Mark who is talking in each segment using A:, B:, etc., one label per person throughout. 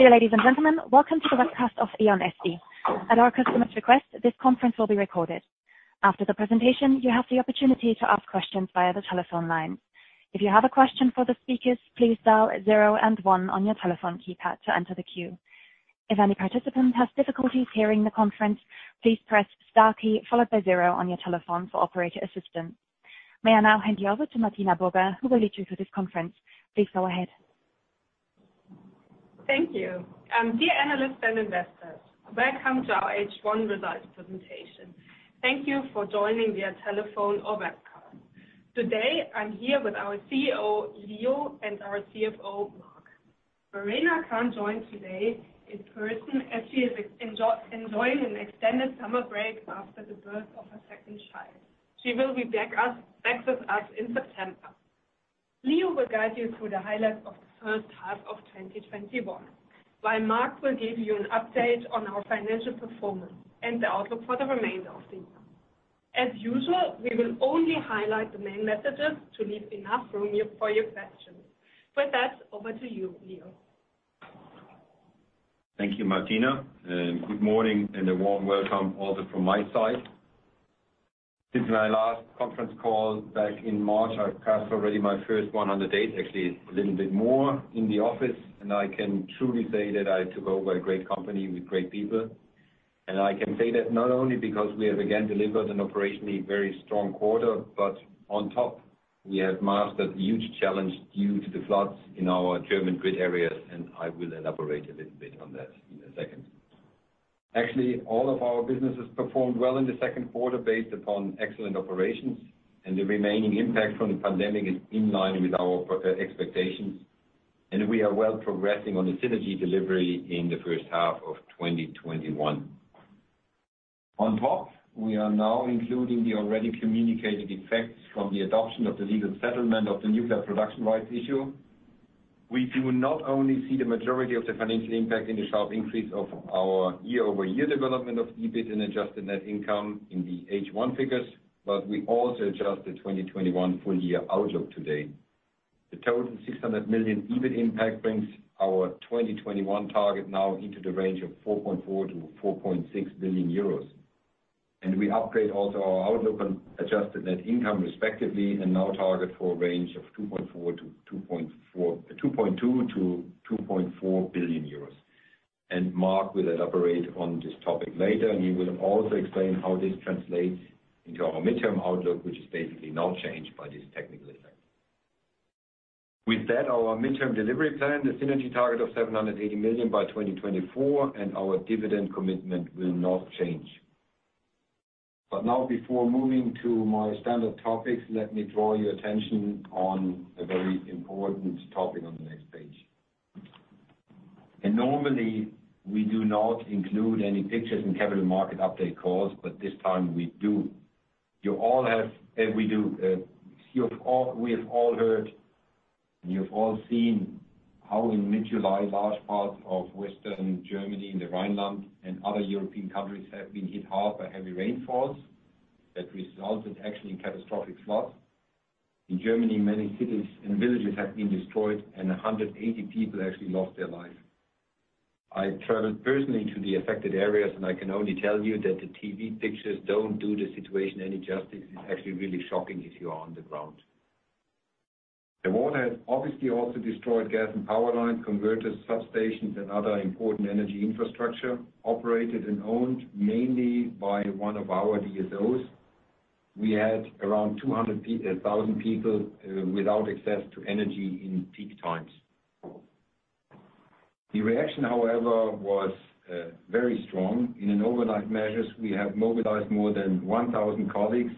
A: Dear ladies and gentlemen, welcome to the webcast of E.ON SE. At our customers' request, this conference will be recorded. After the presentation, you have the opportunity to ask questions via the telephone line. If you have a question for the speakers, please dial zero and one on your telephone keypad to enter the queue. If any participant has difficulties hearing the conference, please press star key followed by zero on your telephone for operator assistance. May I now hand you over to Martina Burger, who will lead you through this conference. Please go ahead.
B: Thank you. Dear analysts and investors, welcome to our H1 results presentation. Thank you for joining via telephone or webcast. Today, I'm here with our CEO, Leo, and our CFO, Marc. Verena can't join today in person, as she is enjoying an extended summer break after the birth of her second child. She will be back with us in September. Leo will guide you through the highlights of the first half of 2021, while Marc will give you an update on our financial performance and the outlook for the remainder of the year. As usual, we will only highlight the main messages to leave enough room for your questions. With that, over to you, Leo.
C: Thank you, Martina. Good morning and a warm welcome also from my side. Since my last conference call back in March, I've passed already my first 100 days, actually a little bit more, in the office, and I can truly say that I took over a great company with great people. I can say that not only because we have again delivered an operationally very strong quarter, but on top, we have mastered a huge challenge due to the floods in our German grid areas, and I will elaborate a little bit on that in a second. Actually, all of our businesses performed well in the second quarter based upon excellent operations, and the remaining impact from the pandemic is in line with our expectations. We are well progressing on the synergy delivery in the first half of 2021. We are now including the already communicated effects from the adoption of the legal settlement of the nuclear production rights issue. We do not only see the majority of the financial impact in the sharp increase of our year-over-year development of EBIT and adjusted net income in the H1 figures, but we also adjust the 2021 full-year outlook today. The total 600 million EBIT impact brings our 2021 target now into the range of 4.4 billion-4.6 billion euros. We upgrade also our outlook on adjusted net income respectively and now target for a range of 2.2 billion-2.4 billion euros. Marc will elaborate on this topic later, and he will also explain how this translates into our midterm outlook, which is basically now changed by this technical effect. Our midterm delivery plan, the synergy target of 780 million by 2024, and our dividend commitment will not change. Before moving to my standard topics, let me draw your attention to a very important topic on the next page. Normally, we do not include any pictures in capital market update calls, but this time we do. We have all heard, and you've all seen how in mid-July, large parts of Western Germany and the Rhineland and other European countries have been hit hard by heavy rainfalls that resulted actually in catastrophic floods. In Germany, many cities and villages have been destroyed and 180 people actually lost their lives. I traveled personally to the affected areas, and I can only tell you that the TV pictures don't do the situation any justice. It's actually really shocking if you are on the ground. The water has obviously also destroyed gas and power lines, converters, substations, and other important energy infrastructure operated and owned mainly by one of our DSOs. We had around 200,000 people without access to energy in peak times. The reaction, however, was very strong. In overnight measures, we have mobilized more than 1,000 colleagues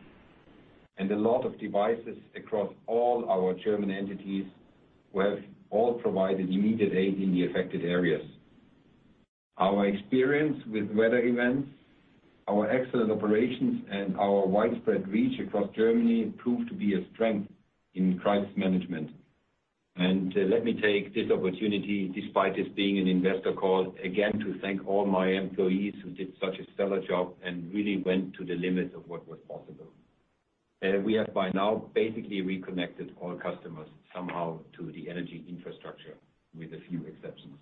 C: and a lot of devices across all our German entities who have all provided immediate aid in the affected areas. Our experience with weather events, our excellent operations, and our widespread reach across Germany proved to be a strength in crisis management. Let me take this opportunity, despite this being an investor call, again, to thank all my employees who did such a stellar job and really went to the limits of what was possible. We have by now basically reconnected all customers somehow to the energy infrastructure with a few exceptions.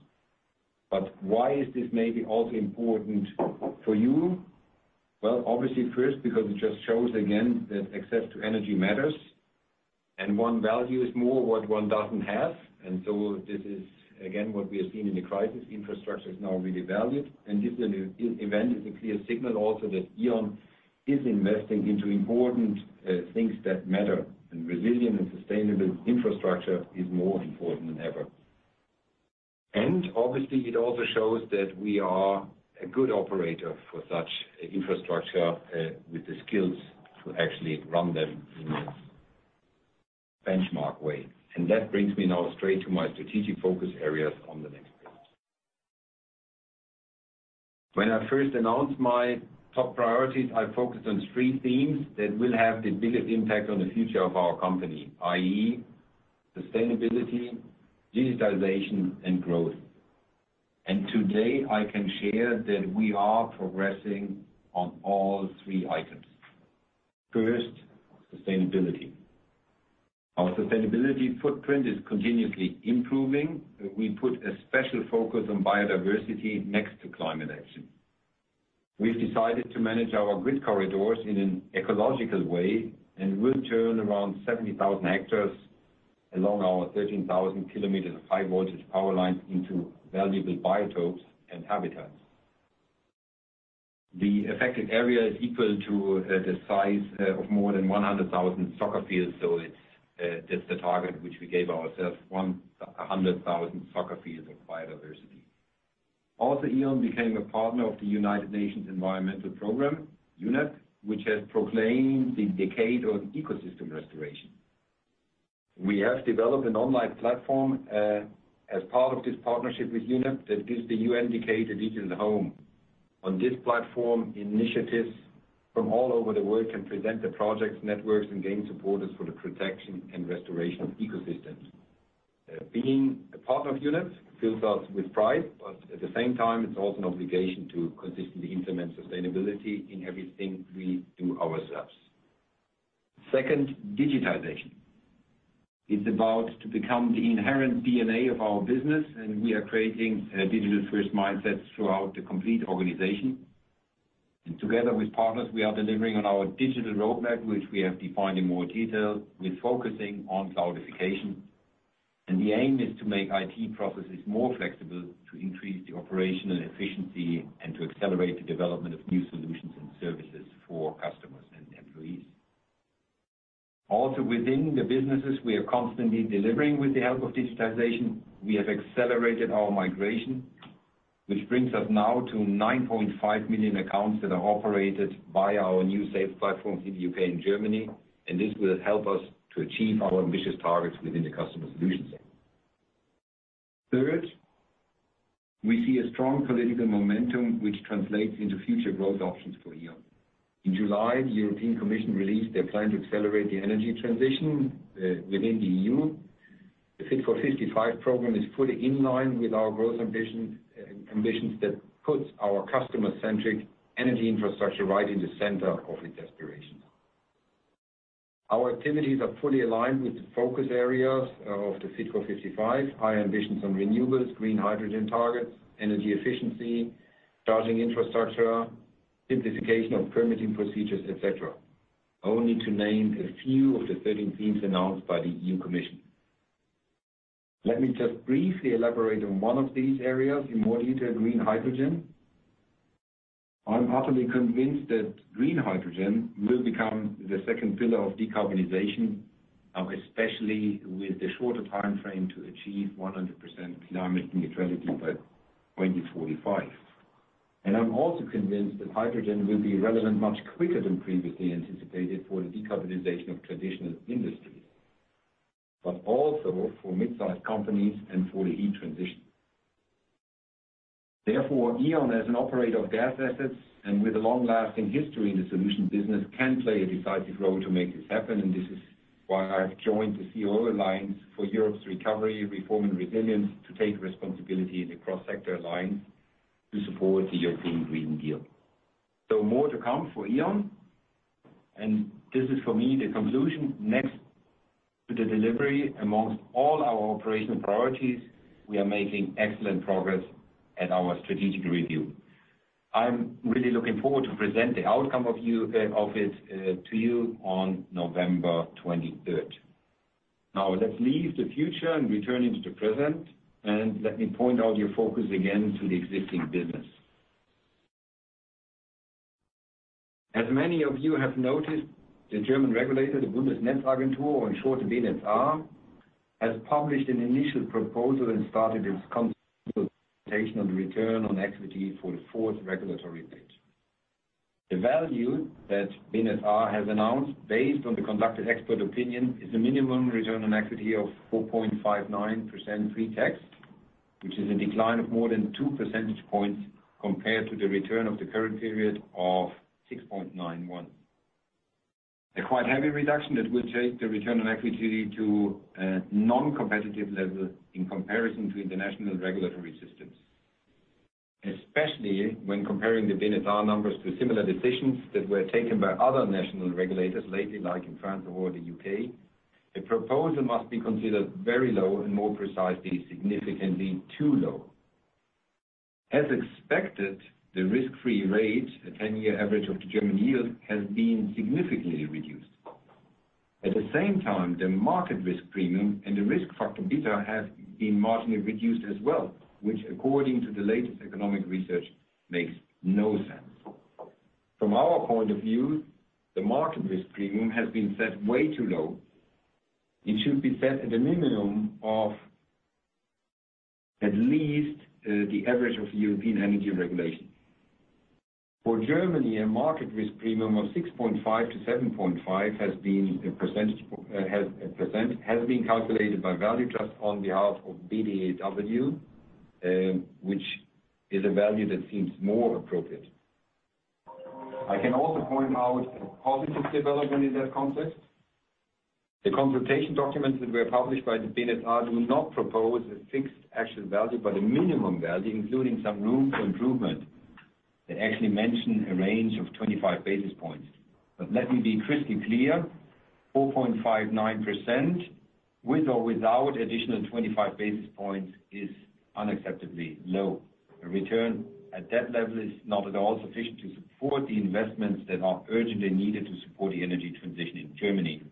C: Why is this maybe also important for you? Obviously first, because it just shows again that access to energy matters, and one values more what one doesn't have. This is again, what we have seen in the crisis. Infrastructure is now really valued, and this event is a clear signal also that E.ON is investing into important things that matter, and resilient and sustainable infrastructure is more important than ever. Obviously it also shows that we are a good operator for such infrastructure with the skills to actually run them in a benchmark way. That brings me now straight to my strategic focus areas on the next page. When I first announced my top priorities, I focused on three themes that will have the biggest impact on the future of our company, i.e., sustainability, digitalization, and growth. Today I can share that we are progressing on all three items. First, sustainability. Our sustainability footprint is continuously improving. We put a special focus on biodiversity next to climate action. We've decided to manage our grid corridors in an ecological way, and will turn around 70,000 hectares along our 13,000 km of high-voltage power lines into valuable biotopes and habitats. The affected area is equal to the size of more than 100,000 soccer fields, that's the target which we gave ourselves, 100,000 soccer fields of biodiversity. E.ON became a partner of the United Nations Environment Programme, UNEP, which has proclaimed the decade of ecosystem restoration. We have developed an online platform as part of this partnership with UNEP that gives the UN decade a digital home. On this platform, initiatives from all over the world can present their projects, networks, and gain supporters for the protection and restoration of ecosystems. Being a partner of UNEP fills us with pride, but at the same time, it's also an obligation to consistently implement sustainability in everything we do ourselves. Second, digitization. It's about to become the inherent DNA of our business, and we are creating digital-first mindsets throughout the complete organization. Together with partners, we are delivering on our digital roadmap, which we have defined in more detail with focusing on cloudification. The aim is to make IT processes more flexible to increase the operational efficiency and to accelerate the development of new solutions and services for customers and employees. Also within the businesses, we are constantly delivering with the help of digitization. We have accelerated our migration, which brings us now to 9.5 million accounts that are operated via our new SAP platforms in the U.K. and Germany, and this will help us to achieve our ambitious targets within the Customer Solutions segment. Third, we see a strong political momentum which translates into future growth options for E.ON. In July, the European Commission released their plan to accelerate the energy transition within the EU. The Fit for 55 program is fully in line with our growth ambitions that puts our customer-centric energy infrastructure right in the center of its aspirations. Our activities are fully aligned with the focus areas of the Fit for 55, high ambitions on renewables, green hydrogen targets, energy efficiency, charging infrastructure, simplification of permitting procedures, et cetera. Only to name a few of the 13 themes announced by the European Commission. Let me just briefly elaborate on one of these areas in more detail, green hydrogen. I'm utterly convinced that green hydrogen will become the second pillar of decarbonization, especially with the shorter timeframe to achieve 100% climate neutrality by 2045. I'm also convinced that hydrogen will be relevant much quicker than previously anticipated for the decarbonization of traditional industries, but also for mid-sized companies and for the heat transition. Therefore, E.ON, as an operator of gas assets and with a long-lasting history in the solutions business, can play a decisive role to make this happen. This is why I've joined the CEO Alliance for Europe's Recovery, Reform and Resilience to take responsibility in the cross-sector alliance to support the European Green Deal. More to come for E.ON, and this is for me the conclusion. Next to the delivery amongst all our operational priorities, we are making excellent progress at our strategic review. I'm really looking forward to present the outcome of it to you on November 23rd. Let's leave the future and return into the present, and let me point out your focus again to the existing business. As many of you have noticed, the German regulator, the Bundesnetzagentur, or in short, the BNetzA, has published an initial proposal and started its consultation on the return on equity for the fourth regulatory period. The value that BNetzA has announced, based on the conducted expert opinion, is a minimum return on equity of 4.59% pre-tax, which is a decline of more than 2 percentage points compared to the return of the current period of 6.91%. A quite heavy reduction that will take the return on equity to a non-competitive level in comparison to international regulatory systems. Especially when comparing the BNetzA numbers to similar decisions that were taken by other national regulators lately, like in France or the U.K., the proposal must be considered very low and more precisely, significantly too low. As expected, the risk-free rate, the 10-year average of the German yield, has been significantly reduced. At the same time, the market risk premium and the risk factor beta have been marginally reduced as well, which according to the latest economic research, makes no sense. From our point of view, the market risk premium has been set way too low. It should be set at a minimum of at least the average of European energy regulation. For Germany, a market risk premium of 6.5%-7.5% has been calculated by ValueTrust on behalf of BDEW, which is a value that seems more appropriate. I can also point out a positive development in that context. The consultation documents that were published by the BNetzA do not propose a fixed action value, but a minimum value, including some room for improvement that actually mention a range of 25 basis points. Let me be crystal clear, 4.59%, with or without additional 25 basis points, is unacceptably low. A return at that level is not at all sufficient to support the investments that are urgently needed to support the energy transition in Germany.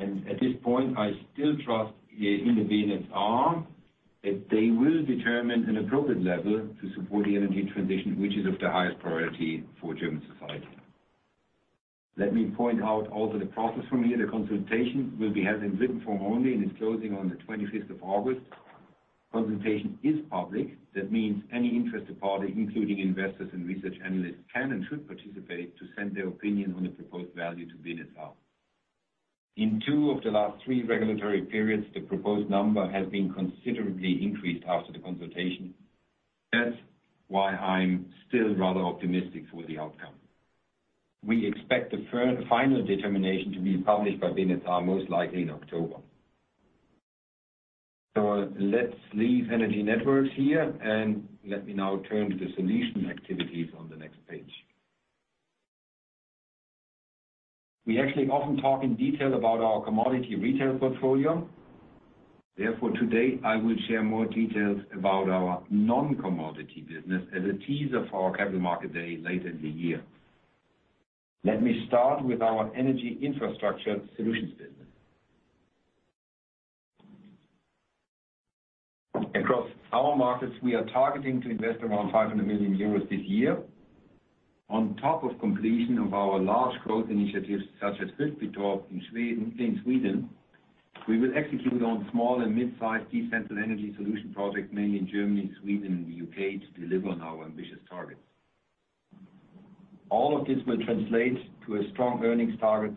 C: At this point, I still trust the interveners that they will determine an appropriate level to support the energy transition, which is of the highest priority for German society. Let me point out also the process for me, the consultation will be held in written form only, and it's closing on the August 25th. Consultation is public. That means any interested party, including investors and research analysts, can and should participate to send their opinion on the proposed value to BNetzA. In two of the last three regulatory periods, the proposed number has been considerably increased after the consultation. That's why I'm still rather optimistic for the outcome. We expect the final determination to be published by BNetzA most likely in October. Let's leave energy networks here, and let me now turn to the solution activities on the next page. We actually often talk in detail about our commodity retail portfolio. Therefore, today, I will share more details about our non-commodity business as a teaser for our Capital Markets Day later in the year. Let me start with our Energy Infrastructure Solutions business. Across our markets, we are targeting to invest around 500 million euros this year. On top of completion of our large growth initiatives, such as Kristineberg in Sweden, we will execute on small and mid-size decentral energy solution projects, mainly in Germany, Sweden, and the U.K. to deliver on our ambitious targets. All of this will translate to a strong earnings target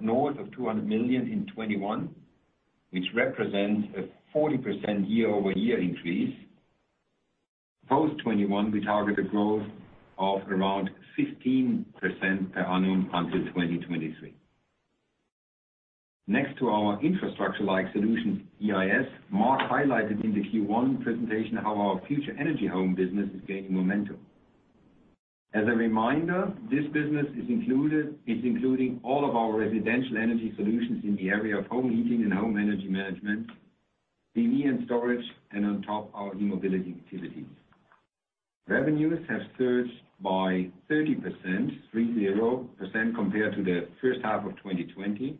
C: north of 200 million in 2021, which represents a 40% year-over-year increase. Post 2021, we target a growth of around 15% per annum until 2023. Next to our infrastructure-like solutions, EIS, Marc highlighted in the Q1 presentation how our Future Energy Home business is gaining momentum. As a reminder, this business is including all of our residential energy solutions in the area of home heating and home energy management, PV and storage, and on top, our e-mobility activities. Revenues have surged by 30%, 30%, compared to the first half of 2020.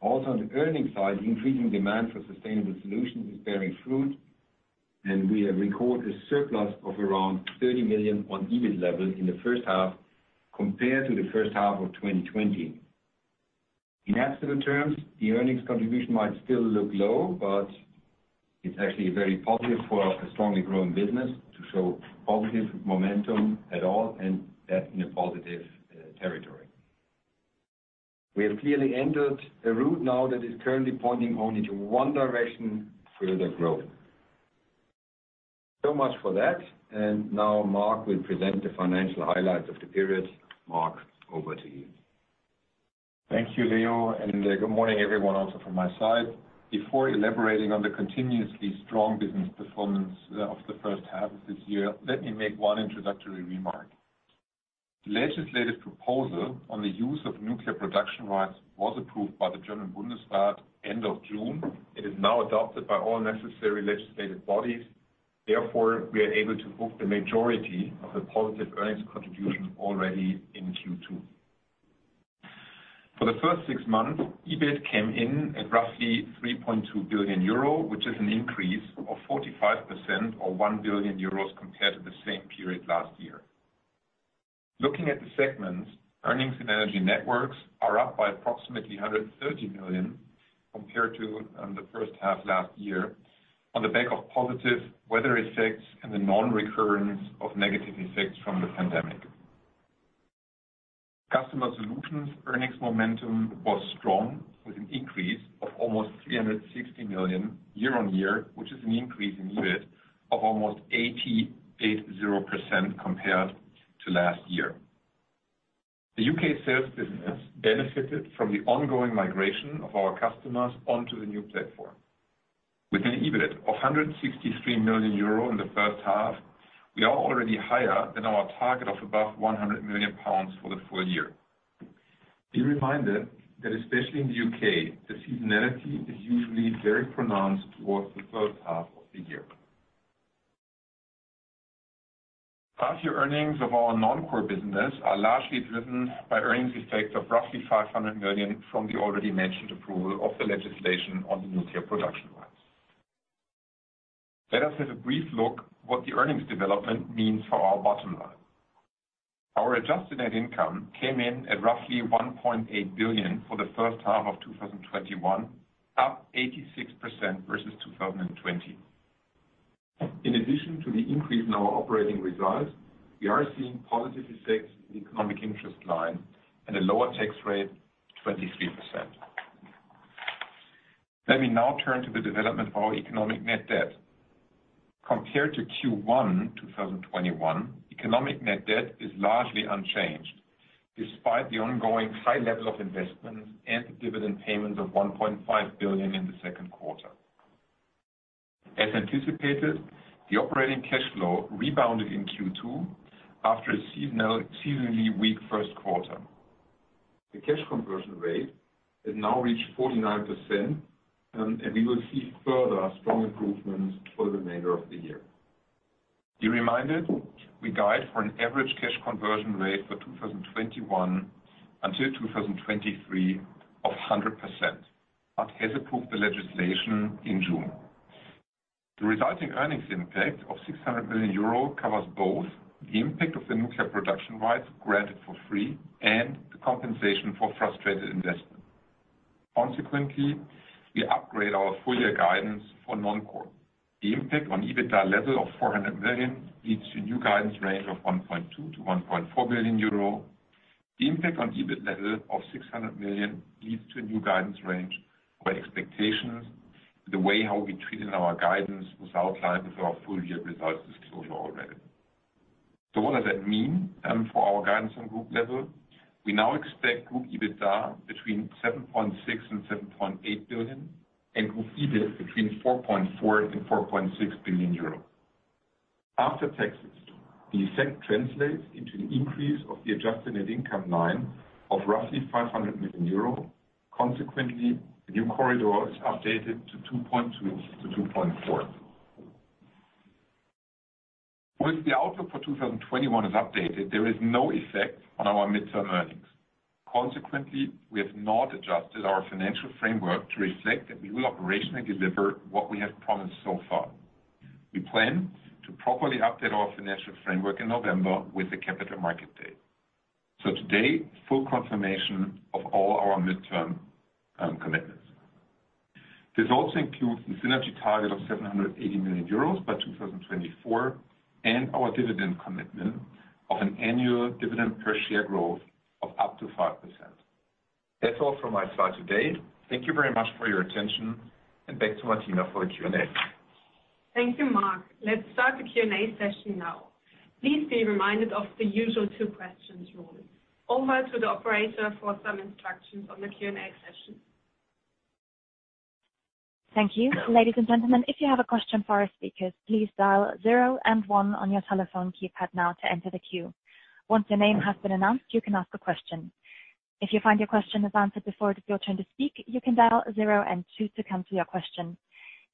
C: Also, on the earnings side, increasing demand for sustainable solutions is bearing fruit, and we have recorded a surplus of around 30 million on EBIT levels in the first half compared to the first half of 2020. In absolute terms, the earnings contribution might still look low, but it's actually very positive for a strongly growing business to show positive momentum at all, and that in a positive territory. We have clearly entered a route now that is currently pointing only to one direction, further growth. Much for that. Now Marc will present the financial highlights of the period. Marc, over to you.
D: Thank you, Leo, and good morning, everyone, also from my side. Before elaborating on the continuously strong business performance of the first half of this year, let me make one introductory remark. The legislative proposal on the use of nuclear production rights was approved by the German Bundestag end of June. It is now adopted by all necessary legislative bodies. We are able to book the majority of the positive earnings contribution already in Q2. For the first six months, EBIT came in at roughly 3.2 billion euro, which is an increase of 45% or 1 billion euros compared to the same period last year. Looking at the segments, earnings in energy networks are up by approximately 130 million compared to the first half last year on the back of positive weather effects and the non-recurrence of negative effects from the pandemic. Customer solutions earnings momentum was strong, with an increase of almost 360 million year on year, which is an increase in EBIT of almost 80% compared to last year. The U.K. sales business benefited from the ongoing migration of our customers onto the new platform. With an EBIT of 163 million euro in the first half, we are already higher than our target of above 100 million pounds for the full year. Be reminded that especially in the U.K., the seasonality is usually very pronounced towards the third half of the year. Half-year earnings of our non-core business are largely driven by earnings effects of roughly 500 million from the already mentioned approval of the legislation on the nuclear production rights. Let us have a brief look what the earnings development means for our bottom line. Our adjusted net income came in at roughly 1.8 billion for the first half of 2021, up 86% versus 2020. In addition to the increase in our operating results, we are seeing positive effects in the economic interest line and a lower tax rate, 23%. Let me now turn to the development of our economic net debt. Compared to Q1 2021, economic net debt is largely unchanged despite the ongoing high levels of investment and the dividend payment of 1.5 billion in the second quarter. As anticipated, the operating cash flow rebounded in Q2 after a seasonally weak first quarter. The cash conversion rate has now reached 49%, and we will see further strong improvements for the remainder of the year. Be reminded, we guide for an average cash conversion rate for 2021 until 2023 of 100%, but has approved the legislation in June. The resulting earnings impact of 600 million euro covers both the impact of the nuclear production rights granted for free and the compensation for frustrated investment. We upgrade our full-year guidance for non-core. The impact on EBITDA level of 400 million leads to new guidance range of 1.2 billion-1.4 billion euro. The impact on EBIT level of 600 million leads to a new guidance range where expectations, the way how we treated our guidance was outlined with our full-year results disclosure already. What does that mean for our guidance on group level? We now expect group EBITDA between 7.6 billion and 7.8 billion and group EBIT between 4.4 billion and 4.6 billion euro. After taxes, the effect translates into an increase of the adjusted net income line of roughly 500 million euro. The new corridor is updated to 2.2 billion-2.4 billion. With the outlook for 2021 is updated, there is no effect on our midterm earnings. Consequently, we have not adjusted our financial framework to reflect that we will operationally deliver what we have promised so far. We plan to properly update our financial framework in November with the Capital Markets Day. Today, full confirmation of all our midterm commitments. This also includes the synergy target of 780 million euros by 2024 and our dividend commitment of an annual dividend per share growth of up to 5%. That's all for my slide today. Thank you very much for your attention, and back to Martina for the Q&A.
B: Thank you, Marc. Let's start the Q&A session now. Please be reminded of the usual two questions rule. Over to the operator for some instructions on the Q&A session.
A: Thank you. Ladies and gentlemen, if you have a question for our speakers, please dial zero and one on your telephone keypad now to enter the queue. Once your name has been announced, you can ask a question. If you find your question is answered before it is your turn to speak, you can dial zero and two to cancel your question.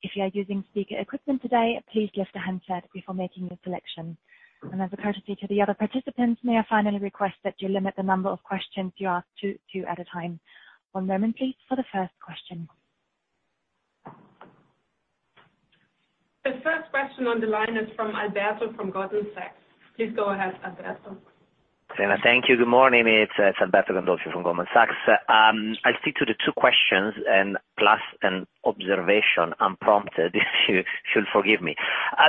A: If you are using speaker equipment today, please lift the handset before making your selection. As a courtesy to the other participants, may I finally request that you limit the number of questions you ask to two at a time. One moment please for the first question.
B: The first question on the line is from Alberto from Goldman Sachs. Please go ahead, Alberto.
E: Martina, thank you. Good morning. It's Alberto Gandolfi from Goldman Sachs. I'll stick to the two questions plus an observation unprompted, if you'll forgive me.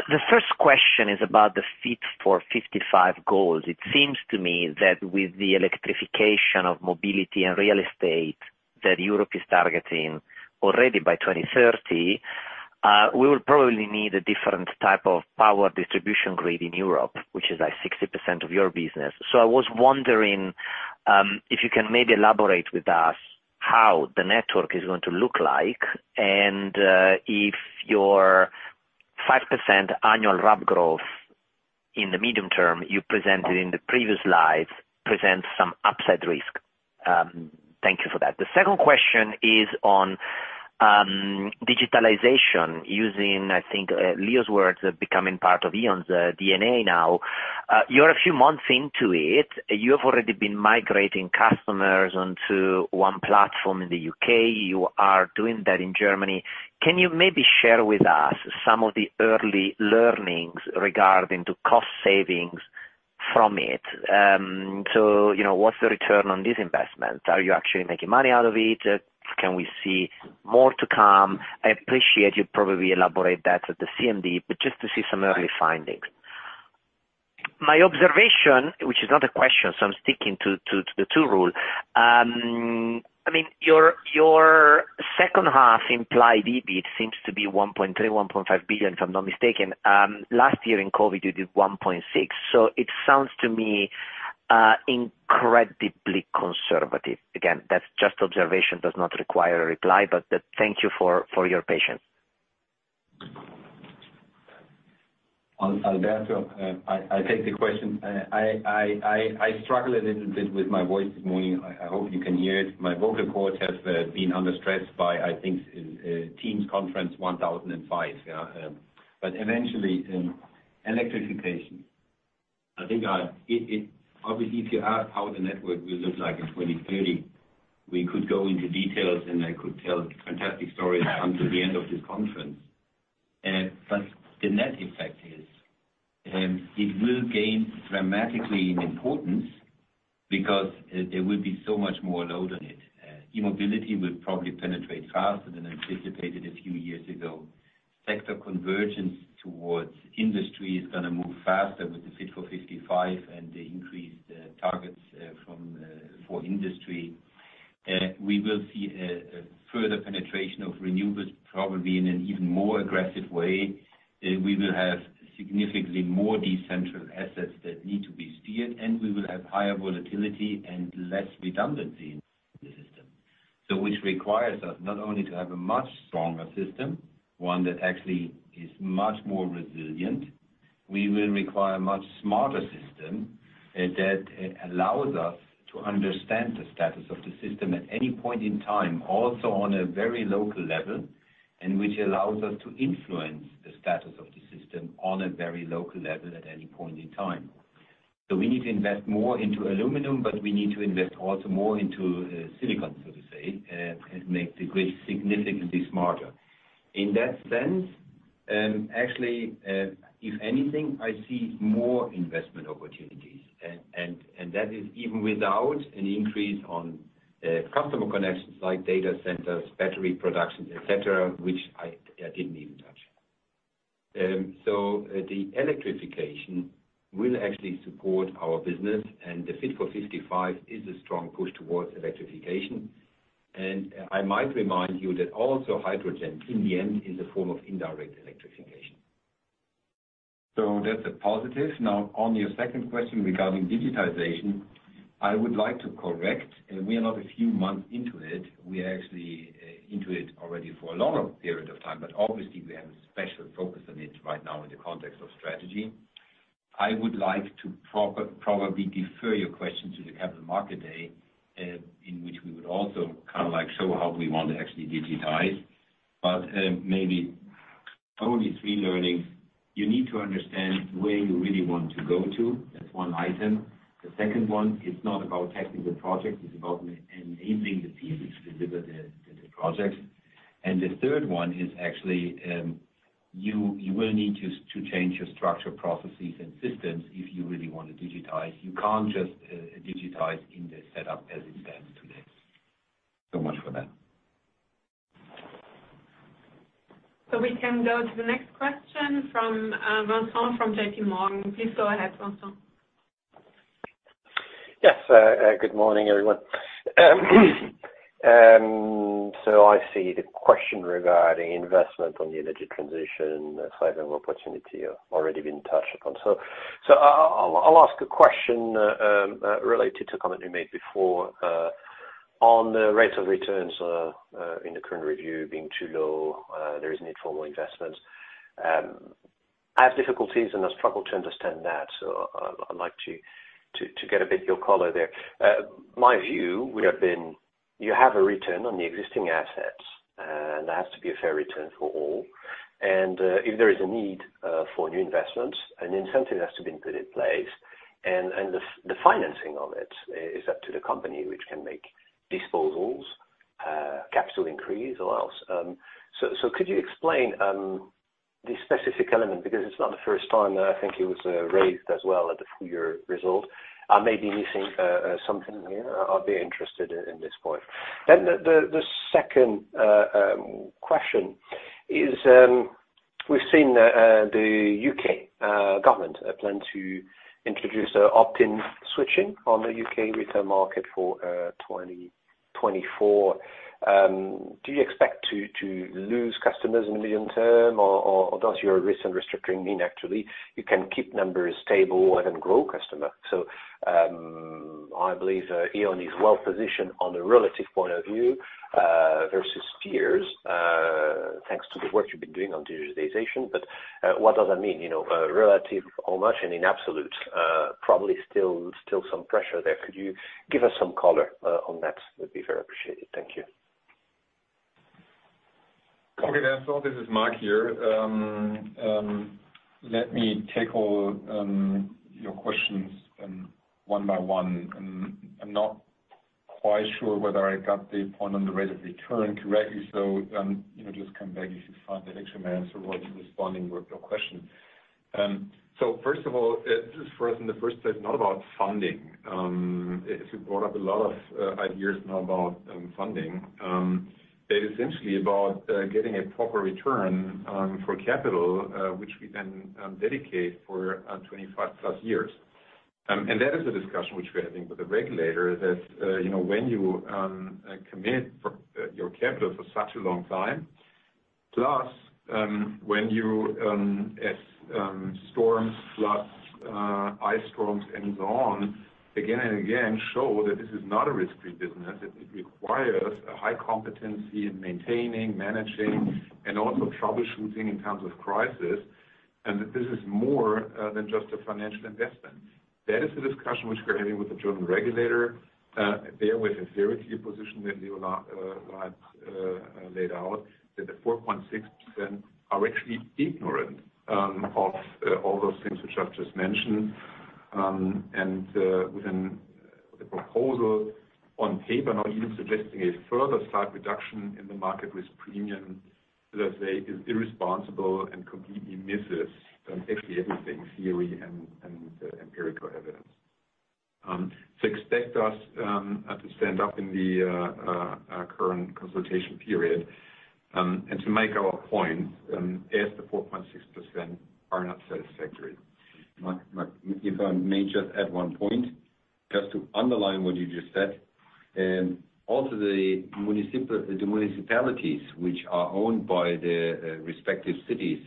E: The first question is about the Fit for 55 goals. It seems to me that with the electrification of mobility and real estate that Europe is targeting already by 2030, we will probably need a different type of power distribution grid in Europe, which is like 60% of your business. I was wondering, if you can maybe elaborate with us how the network is going to look like, and if your 5% annual RAB growth in the medium term you presented in the previous slides presents some upside risk. Thank you for that. The second question is on digitalization using, I think, Leo's words, becoming part of E.ON's DNA now. You're a few months into it. You have already been migrating customers onto one platform in the U.K. You are doing that in Germany. Can you maybe share with us some of the early learnings regarding to cost savings from it? What's the return on this investment? Are you actually making money out of it? Can we see more to come? I appreciate you'd probably elaborate that at the CMD, but just to see some early findings. My observation, which is not a question, so I'm sticking to the two rule. Your second half implied EBIT seems to be 1.3 billion, 1.5 billion if I'm not mistaken. Last year in COVID, you did 1.6 billion, so it sounds to me incredibly conservative. Again, that's just observation, does not require a reply, but thank you for your patience.
C: Alberto, I take the question. I struggle a little bit with my voice this morning. I hope you can hear it. My vocal cords have been under stress by, I think, Teams conference 1,005. Eventually, electrification. I think, obviously, if you ask how the network will look like in 2030, we could go into details, and I could tell fantastic stories until the end of this conference. The net effect is, it will gain dramatically in importance because there will be so much more load on it. E-mobility will probably penetrate faster than anticipated a few years ago. Sector convergence towards industry is going to move faster with the Fit for 55 and the increased targets for industry We will see a further penetration of renewables, probably in an even more aggressive way. We will have significantly more decentral assets that need to be steered, and we will have higher volatility and less redundancy in the system. Which requires us not only to have a much stronger system, one that actually is much more resilient. We will require a much smarter system that allows us to understand the status of the system at any point in time, also on a very local level, and which allows us to influence the status of the system on a very local level at any point in time. We need to invest more into aluminum, but we need to invest also more into silicon, so to say, and make the grid significantly smarter. In that sense, actually, if anything, I see more investment opportunities. That is even without an increase on customer connections like data centers, battery productions, et cetera, which I didn't even touch. The electrification will actually support our business. The Fit for 55 is a strong push towards electrification. I might remind you that also hydrogen in the end is a form of indirect electrification. That's a positive. On your second question regarding digitization, I would like to correct. We are not a few months into it. We are actually into it already for a longer period of time. Obviously, we have a special focus on it right now in the context of strategy. I would like to probably defer your question to the Capital Market Day, in which we would also show how we want to actually digitize. Maybe only three learnings. You need to understand where you really want to go to. That's one item. The second one, it's not about technical projects. The third one is actually, you will need to change your structure, processes, and systems if you really want to digitize. You can't just digitize in the setup as it stands today.
E: Thanks so much for that.
B: We can go to the next question from Vincent from JPMorgan. Please go ahead, Vincent.
F: Yes. Good morning, everyone. I see the question regarding investment on the energy transition side and opportunity already been touched upon. I'll ask a question related to a comment you made before, on the rates of returns in the current review being too low. There is a need for more investment. I have difficulties and I struggle to understand that. I'd like to get a bit of your color there. My view would have been, you have a return on the existing assets, and that has to be a fair return for all. If there is a need for new investment, an incentive has to be put in place, and the financing of it is up to the company, which can make disposals, capital increase, or else. Could you explain the specific element? It's not the first time that I think it was raised as well at the full-year result. I may be missing something here. I'd be interested in this point. The second question is, we've seen the U.K. government plan to introduce opt-in switching on the U.K. retail market for 2024. Do you expect to lose customers in the medium term, or does your recent restructuring mean actually you can keep numbers stable and grow customer? I believe E.ON is well positioned on a relative point of view, versus peers, thanks to the work you've been doing on digitization. What does that mean? Relative how much and in absolute, probably still some pressure there. Could you give us some color on that? Would be very appreciated. Thank you.
D: Okay. This is Marc here. Let me tackle your questions one by one. I'm not quite sure whether I got the point on the rate of return correctly. Just come back if you find that actually my answer wasn't responding with your question. First of all, this for us in the first place is not about funding. It brought up a lot of ideas now about funding. It essentially about getting a proper return for capital, which we then dedicate for 25+ years. That is a discussion which we are having with the regulator, that when you commit your capital for such a long time, plus as storms plus ice storms and so on, again and again show that this is not a risky business. It requires a high competency in maintaining, managing, and also troubleshooting in times of crisis, and that this is more than just a financial investment. That is the discussion which we're having with the German regulator. They are with a very clear position that Leonhard laid out, that the 4.6% are actually ignorant of all those things which I have just mentioned. Within the proposal on paper now even suggesting a further sharp reduction in the market risk premium, let us say, is irresponsible and completely misses actually everything, theory and empirical evidence. Expect us to stand up in the current consultation period and to make our point if the 4.6% are not satisfactory.
C: Marc, if I may just add one point, just to underline what you just said. The municipalities, which are owned by the respective cities,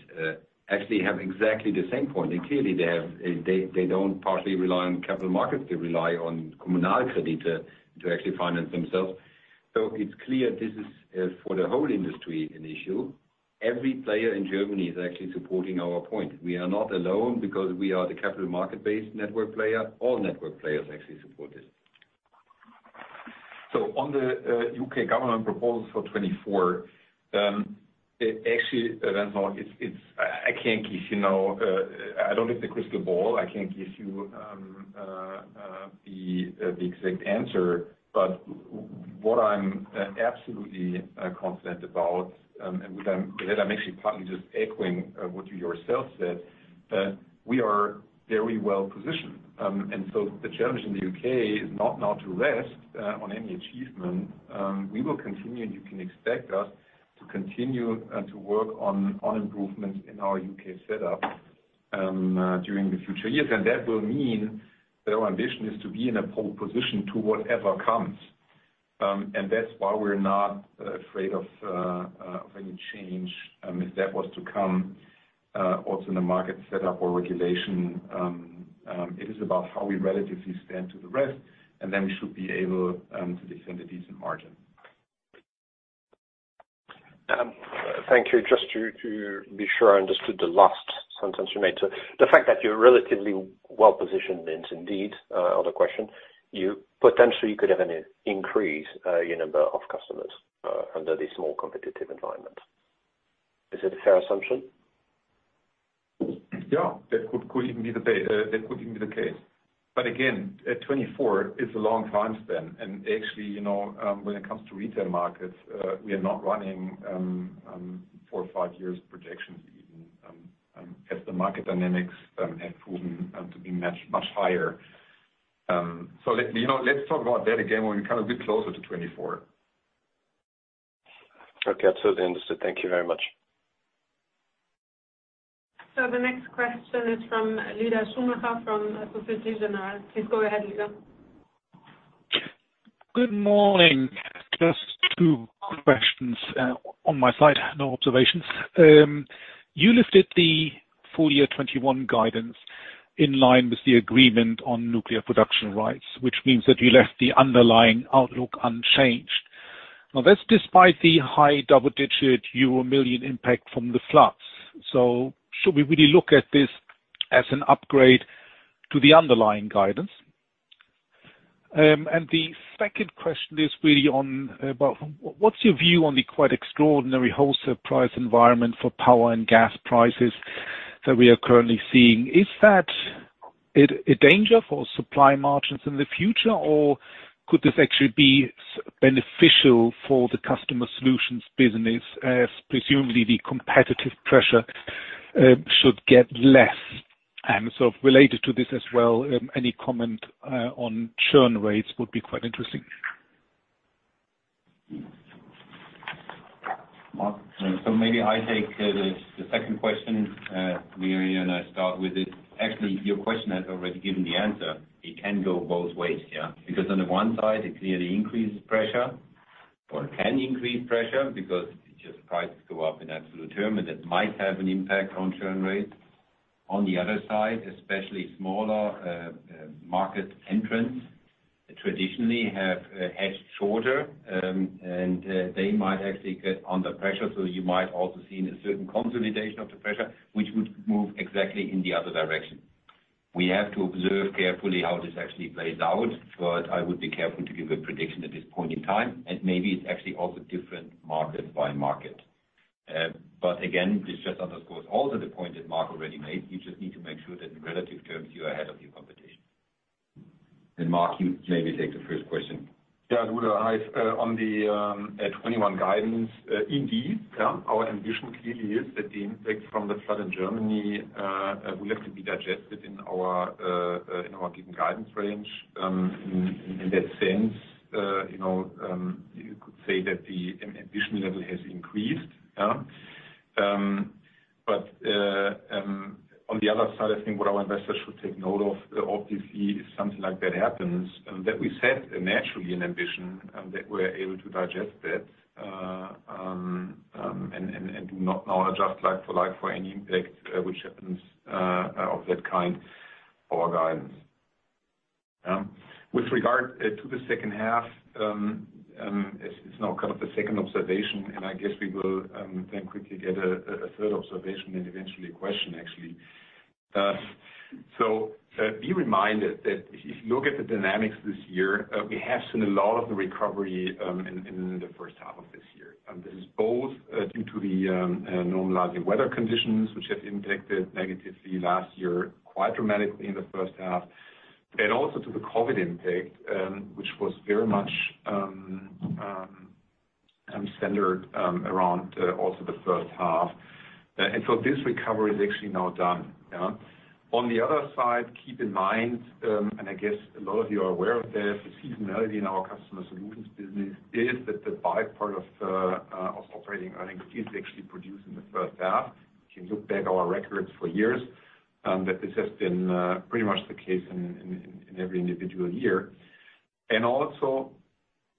C: actually have exactly the same point. Clearly they don't partly rely on capital markets, they rely on Kommunalkredit to actually finance themselves. It's clear this is, for the whole industry, an issue. Every player in Germany is actually supporting our point. We are not alone because we are the capital market-based network player. All network players actually support this. On the U.K. government proposal for 2024, actually, Vincent, I don't have the crystal ball, I can't give you the exact answer. What I'm absolutely confident about, and with that I'm actually partly just echoing what you yourself said, we are very well-positioned. The challenge in the U.K. is not now to rest on any achievement. We will continue. You can expect us to continue to work on improvements in our U.K. setup during the future years. That will mean that our ambition is to be in a pole position to whatever comes. That's why we're not afraid of any change, if that was to come, also in the market setup or regulation. It is about how we relatively stand to the rest, and then we should be able to defend a decent margin.
F: Thank you. Just to be sure I understood the last sentence you made. The fact that you're relatively well-positioned is indeed other question. You potentially could have an increase your number of customers under this more competitive environment. Is it a fair assumption?
C: Yeah, that could even be the case. Again, 2024 is a long time span, actually, when it comes to retail markets, we are not running four or five years projections even, as the market dynamics have proven to be much higher. Let's talk about that again when we're a bit closer to 2024.
F: Okay. Absolutely understood. Thank you very much.
B: The next question is from Lueder Schumacher from Société Générale. Please go ahead, Lueder.
G: Good morning. Just two questions on my side, no observations. You listed the full year 2021 guidance in line with the agreement on nuclear production rights, which means that you left the underlying outlook unchanged. Now that's despite the high double-digit euro million impact from the floods. Should we really look at this as an upgrade to the underlying guidance? The second question is really about, what's your view on the quite extraordinary wholesale price environment for power and gas prices that we are currently seeing? Is that a danger for supply margins in the future, or could this actually be beneficial for the Customer Solutions business, as presumably the competitive pressure should get less? Related to this as well, any comment on churn rates would be quite interesting.
C: Marc. Maybe I take the second question, and I start with it. Actually, your question has already given the answer. It can go both ways, yeah? On the one side, it clearly increases pressure, or it can increase pressure because prices go up in absolute terms, and that might have an impact on churn rates. On the other side, especially smaller market entrants traditionally have hedged shorter, and they might actually get under pressure. You might also see a certain consolidation of the pressure, which would move exactly in the other direction. We have to observe carefully how this actually plays out, I would be careful to give a prediction at this point in time, and maybe it's actually also different market by market. Again, this just underscores also the point that Marc already made. You just need to make sure that in relative terms, you are ahead of your competition. Marc, you maybe take the first question.
D: I would. On the 2021 guidance, indeed, our ambition clearly is that the impact from the flood in Germany will have to be digested in our given guidance range. In that sense, you could say that the ambition level has increased. On the other side, I think what our investors should take note of, obviously, if something like that happens, that we set naturally an ambition that we're able to digest that, and do not now adjust like for like for any impact which happens of that kind for our guidance. With regard to the second half, it's now kind of a second observation, and I guess we will then quickly get a third observation and eventually a question actually. Be reminded that if you look at the dynamics this year, we have seen a lot of the recovery in the first half of this year. This is both due to the normalizing weather conditions, which have impacted negatively last year, quite dramatically in the first half, and also to the COVID impact, which was very much centered around also the first half. This recovery is actually now done. On the other side, keep in mind, and I guess a lot of you are aware of this, the seasonality in our customer solutions business is that the byproduct of operating earnings is actually produced in the first half. If you look back at our records for years, that this has been pretty much the case in every individual year. Also,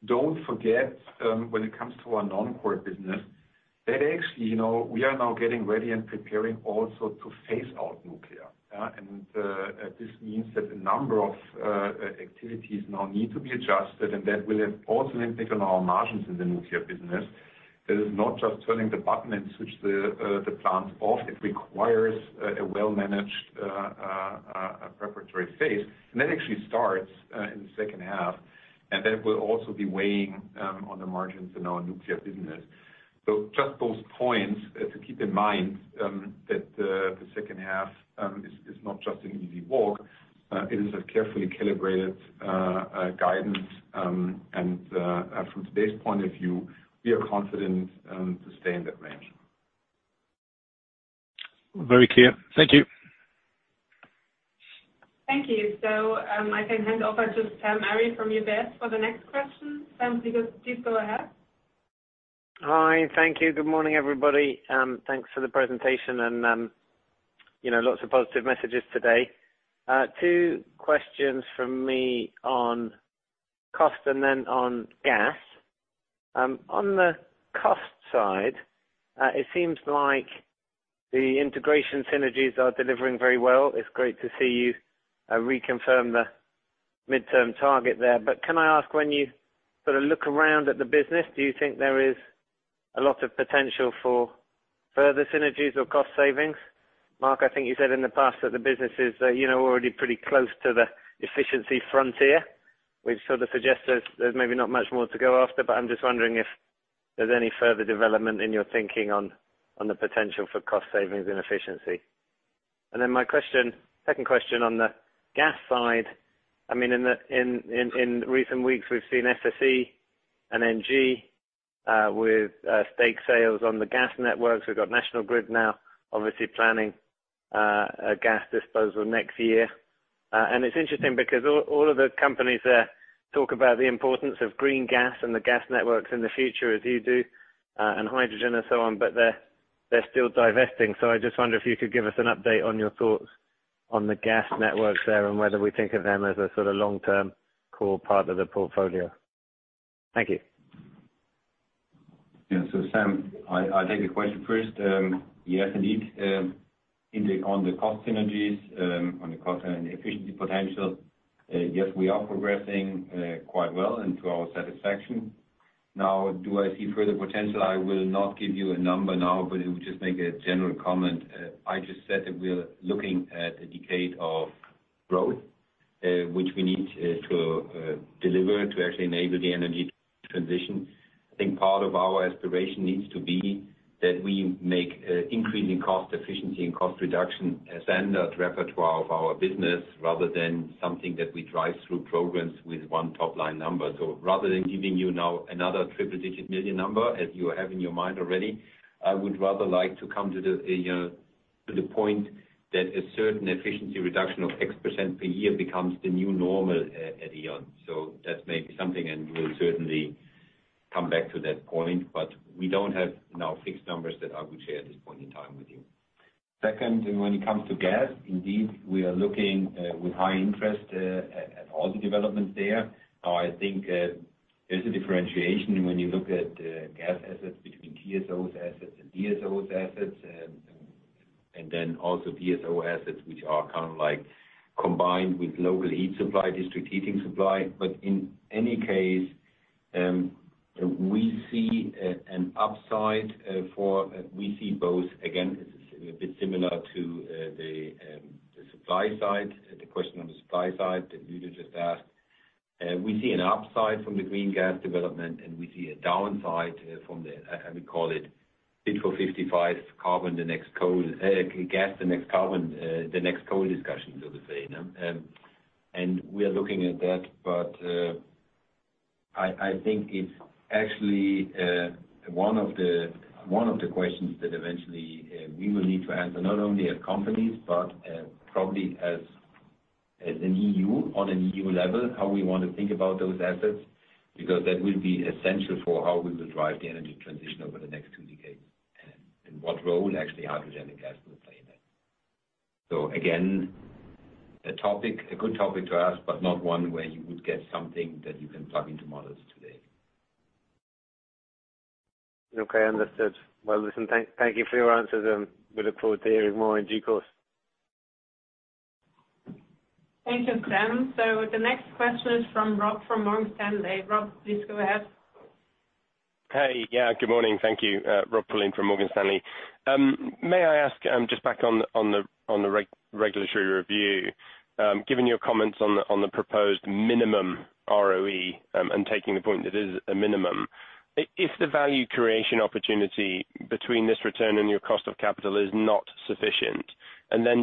D: don't forget, when it comes to our non-core business, that actually, we are now getting ready and preparing also to phase out nuclear. This means that a number of activities now need to be adjusted, and that will also impact on our margins in the nuclear business. It is not just turning the button and switch the plant off. It requires a well-managed preparatory phase, and that actually starts in the second half. That will also be weighing on the margins in our nuclear business. Just those points to keep in mind, that the second half is not just an easy walk. It is a carefully calibrated guidance. From today's point of view, we are confident to stay in that range.
G: Very clear. Thank you.
B: Thank you. I can hand over to Sam Arie from UBS for the next question. Sam, please go ahead.
H: Hi. Thank you. Good morning, everybody. Thanks for the presentation and lots of positive messages today. Two questions from me on cost and then on gas. On the cost side, it seems like the integration synergies are delivering very well. It's great to see you reconfirm the midterm target there. Can I ask, when you look around at the business, do you think there is a lot of potential for further synergies or cost savings? Marc, I think you said in the past that the business is already pretty close to the efficiency frontier, which sort of suggests there's maybe not much more to go after. I'm just wondering if there's any further development in your thinking on the potential for cost savings and efficiency. My second question on the gas side, in recent weeks, we've seen SSE and NG with stake sales on the gas networks. We've got National Grid now obviously planning a gas disposal next year. It's interesting because all of the companies there talk about the importance of green gas and the gas networks in the future as you do, and hydrogen and so on, but they're still divesting. I just wonder if you could give us an update on your thoughts on the gas networks there and whether we think of them as a long-term core part of the portfolio. Thank you.
C: Yeah. Sam, I'll take the question first. Yes, indeed. Indeed on the cost synergies, on the cost and efficiency potential. Yes, we are progressing quite well and to our satisfaction. Do I see further potential? I will not give you a number now, but I will just make a general comment. I just said that we are looking at a decade of growth, which we need to deliver to actually enable the energy transition. I think part of our aspiration needs to be that we make increasing cost efficiency and cost reduction a standard repertoire of our business rather than something that we drive through programs with one top-line number. Rather than giving you now another triple-digit million number, as you have in your mind already, I would rather like to come to the point that a certain efficiency reduction of X% per year becomes the new normal at E.ON. That's maybe something, and we'll certainly come back to that point, but we don't have now fixed numbers that I would share at this point in time with you. Second, when it comes to gas, indeed, we are looking with high interest at all the developments there. I think there's a differentiation when you look at gas assets between TSOs assets and DSO assets, and then also DSO assets, which are kind of combined with local heat supply, district heating supply. In any case, we see both. It's a bit similar to the supply side, the question on the supply side that Lueder just asked. We see an upside from the green gas development, and we see a downside from the, I would call it, Fit for 55, the next gas, the next carbon, the next coal discussion, so to say. We are looking at that, but I think it's actually one of the questions that eventually we will need to answer, not only as companies, but probably as an EU, on an EU level, how we want to think about those assets. That will be essential for how we will drive the energy transition over the next two decades, and what role actually hydrogen and gas will play in it. Again, a good topic to ask, but not one where you would get something that you can plug into models today.
H: Okay, understood. Well, listen, thank you for your answers, and we look forward to hearing more in due course.
B: Thank you, Sam. The next question is from Rob from Morgan Stanley. Rob, please go ahead.
I: Hey. Yeah, good morning. Thank you. Rob Pulleyn from Morgan Stanley. May I ask, just back on the regulatory review, given your comments on the proposed minimum ROE, and taking the point that it is a minimum. If the value creation opportunity between this return and your cost of capital is not sufficient.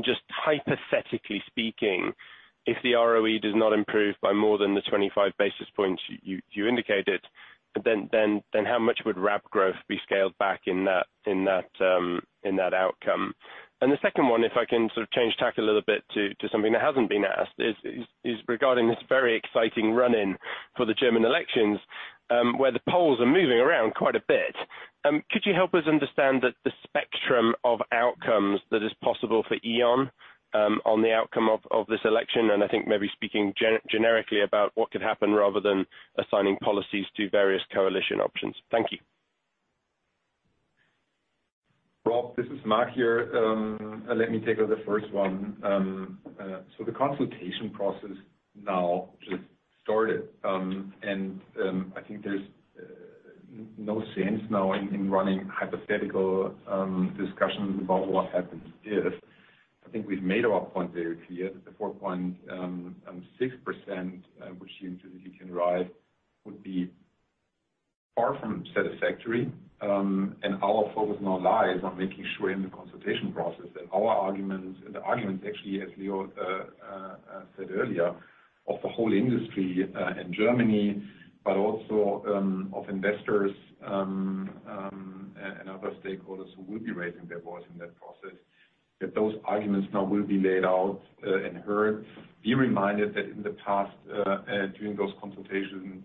I: Just hypothetically speaking, if the ROE does not improve by more than the 25 basis points you indicated, how much would RAB growth be scaled back in that outcome? The second one, if I can sort of change tack a little bit to something that hasn't been asked, is regarding this very exciting run-in for the German elections, where the polls are moving around quite a bit. Could you help us understand the spectrum of outcomes that is possible for E.ON on the outcome of this election? I think maybe speaking generically about what could happen rather than assigning policies to various coalition options. Thank you.
D: Rob, this is Marc here. Let me take the first one. The consultation process now just started. I think there's no sense now in running hypothetical discussions about what happens if. I think we've made our point very clear that the 4.6% which seems as if you can derive would be far from satisfactory. Our focus now lies on making sure in the consultation process that our arguments and the arguments actually, as Leo said earlier, of the whole industry in Germany, but also of investors and other stakeholders who will be raising their voice in that process, that those arguments now will be laid out and heard. Be reminded that in the past, during those consultation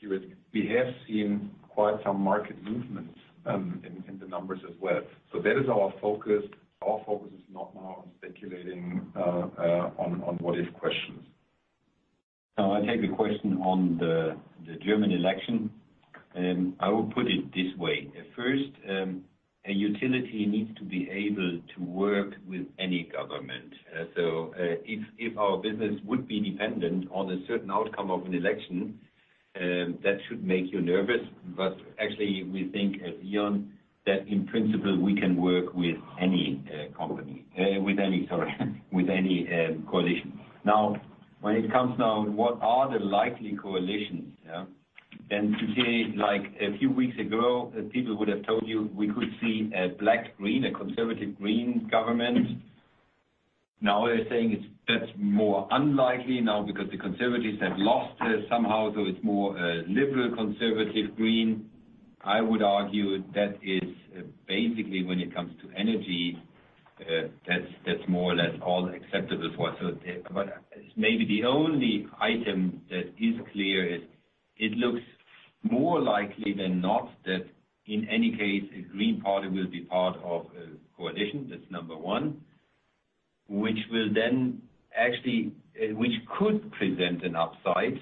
D: periods, we have seen quite some market movements in the numbers as well. That is our focus. Our focus is not now on speculating on what if questions.
C: I'll take the question on the German election, and I will put it this way. First, a utility needs to be able to work with any government. If our business would be dependent on a certain outcome of an election, that should make you nervous. Actually, we think at E.ON that in principle, we can work with any coalition. When it comes now, what are the likely coalitions? To say, like a few weeks ago, people would have told you we could see a Black-Green, a Conservative Green government. They're saying that's more unlikely now because the Conservatives have lost somehow, so it's more Liberal Conservative Green. I would argue that is basically when it comes to energy, that's more or less all acceptable for. Maybe the only item that is clear is it looks more likely than not that in any case, a Green Party will be part of a coalition. That's number one, which will then actually, which could present an upside.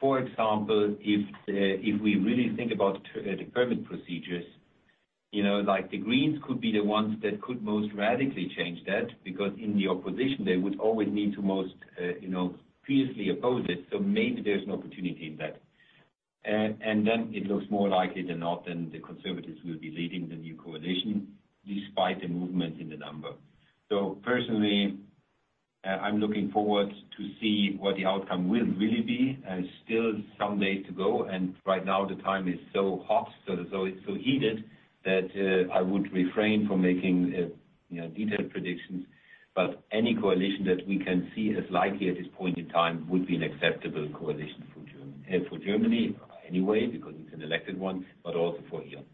C: For example, if we really think about the permit procedures, the Greens could be the ones that could most radically change that, because in the opposition, they would always need to most fiercely oppose it. Maybe there's an opportunity in that. It looks more likely than not that the conservatives will be leading the new coalition despite the movement in the number. Personally, I'm looking forward to see what the outcome will really be. Still some way to go. Right now, the time is so hot, so heated that I would refrain from making detailed predictions. Any coalition that we can see as likely at this point in time would be an acceptable coalition for Germany anyway, because it's an elected one, but also for E.ON.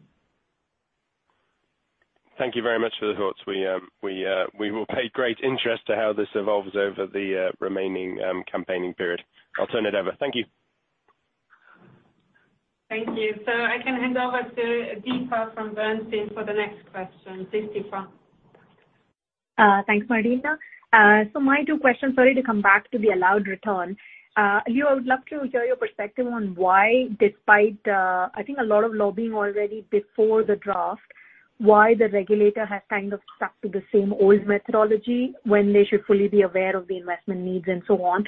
I: Thank you very much for the thoughts. We will pay great interest to how this evolves over the remaining campaigning period. I will turn it over. Thank you.
B: Thank you. I can hand over to Deepa from Bernstein for the next question. Please, Deepa.
J: Thanks, Martina. My two questions, sorry to come back to the allowed return. Leo, I would love to hear your perspective on why, despite, I think a lot of lobbying already before the draft, why the regulator has kind of stuck to the same old methodology when they should fully be aware of the investment needs and so on.